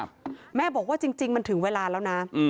แต่แม่บอกว่ามันถึงเวลาแล้ว